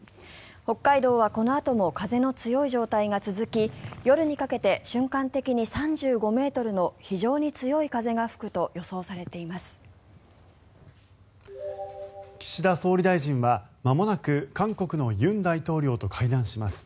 北海道はこのあとも風の強い状態が続き夜にかけて瞬間的に３５ｍの非常に強い風が吹くと予想されています。